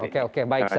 oke oke baik saya